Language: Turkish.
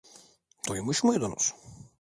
Duymuş muydunuz?